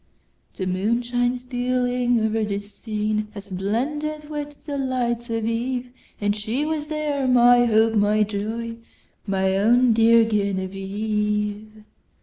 The moonshine stealing o'er the sceneHad blended with the lights of eve; And she was there, my hope, my joy, My own dear Genevieve!